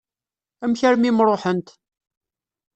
Amek armi i m-ṛuḥent?